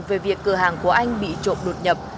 về việc cửa hàng của anh bị trộm đột nhập